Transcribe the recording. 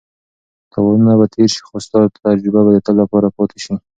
تاوانونه به تېر شي خو ستا تجربه به د تل لپاره پاتې شي.